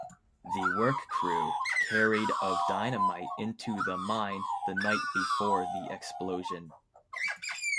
The work crew carried of dynamite into the mine the night before the explosion.